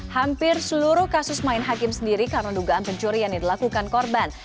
hampir seluruh kasus main hakim sendiri karena dugaan pencurian yang dilakukan korban